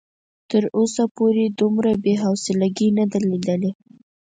تر اوسه پورې دومره بې حوصلګي نه ده ليدلې.